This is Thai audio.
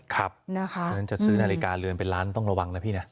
เพราะฉะนั้นจะซื้อนาฬิกาเรือนเป็นล้านต้องระวังนะพี่นะ